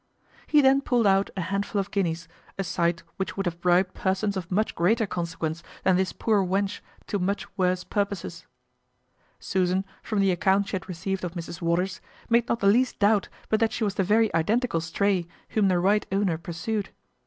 He then pulled out a handful of guineas, a sight which would have bribed persons of much greater consequence than this poor wench to much worse purposes. Susan, from the account she had received of Mrs Waters, made not the least doubt but that she was the very identical stray whom the right owner pursued.